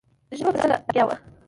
زه په څه لګيا وم.